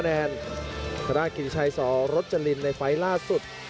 แต่ออกก็เพิ่งจอดเปิด